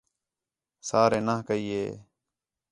سارے نہ کئی ہِے